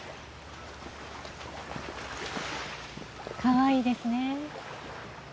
かわいいですね。